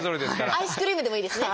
アイスクリームでもいいですね。